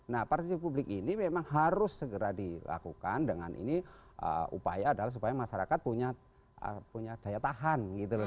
nah partisi publik ini memang harus segera dilakukan dengan ini upaya adalah supaya masyarakat punya daya tahan gitu loh